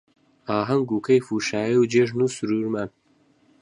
ئاهەنگ و کەیف و شایی و جێژن و سروورمان